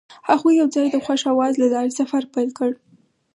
هغوی یوځای د خوښ اواز له لارې سفر پیل کړ.